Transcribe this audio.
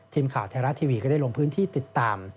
ทีมข่าวไทยรัฐทีวีก็ได้ลงพื้นที่ติดตาม